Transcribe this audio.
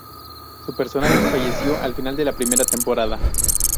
Su personaje falleció al final de la primera temporada.